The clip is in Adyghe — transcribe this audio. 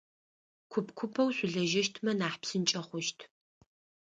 Куп-купэу шъулэжьэщтмэ нахь псынкӏэ хъущт.